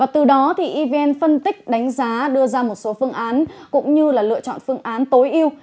từ đó evn phân tích đánh giá đưa ra một số phương án cũng như lựa chọn phương án tối ưu